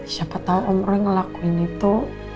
siapa tahu om roy ngelakuin itu